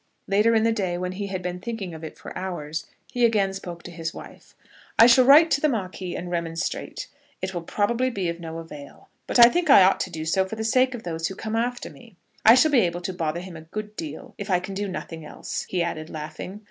Later in the day, when he had been thinking of it for hours, he again spoke to his wife. "I shall write to the Marquis and remonstrate. It will probably be of no avail; but I think I ought to do so for the sake of those who come after me. I shall be able to bother him a good deal, if I can do nothing else," he added, laughing.